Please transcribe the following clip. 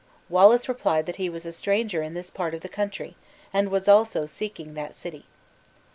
Wallace replied that he was a stranger in this part of the country, and was also seeking that city.